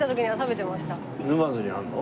沼津にあるの？